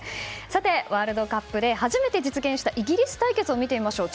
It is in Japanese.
ワールドカップで初めて実現したイギリス対決を見てみましょう。